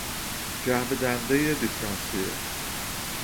جعبه دندهی دیفرانسیل